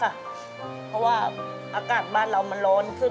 เพราะว่าอากาศบ้านเรามันร้อนขึ้น